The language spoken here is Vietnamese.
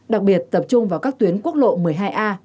đặc biệt tập trung vào các tuyến quốc lộ một mươi hai a